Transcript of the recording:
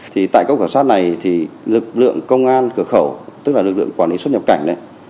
thì tại các cửa sát này thì lực lượng công an cửa khẩu tức là lực lượng quản lý xuất nhập cảnh